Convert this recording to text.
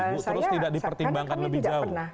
terus tidak dipertimbangkan lebih jauh